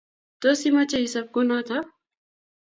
Tos, imache isob kunoto?